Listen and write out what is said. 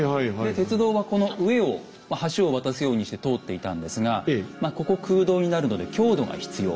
鉄道はこの上を橋を渡すようにして通っていたんですがここ空洞になるので強度が必要。